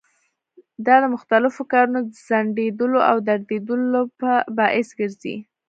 دا د مختلفو کارونو د ځنډېدلو او درېدلو باعث ګرځي.